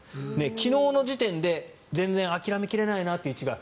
昨日の時点で全然諦め切れないなという位置が